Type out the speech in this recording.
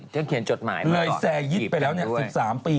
ก็เขียนจดหมายมาก่อนเลยแซ่ยิดไปแล้ว๑๓ปี